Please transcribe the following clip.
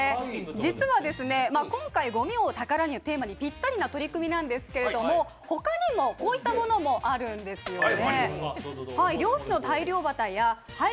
実は今回「ごみを宝に」のテーマにぴったりな取り組みなんですけど、ほかにもこういったものもあるんですよね。